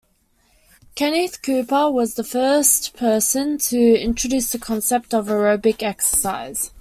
Kenneth Cooper was the first person to introduce the concept of aerobic exercise.